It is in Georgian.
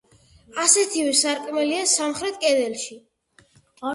ასეთივე სარკმელია სამხრეთ კედელში.